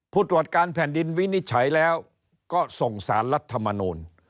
ผู้ตรวจการแผ่นดินวินิจฉัยแล้วก็ส่งสารรัฐมนูล